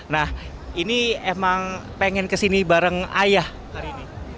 nah ini emang pengen kesini bareng ayah hari ini